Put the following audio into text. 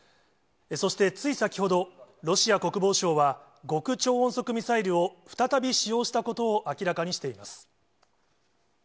そして、つい先ほど、ロシア国防省は、極超音速ミサイルを再び使用したことを明らかにしています。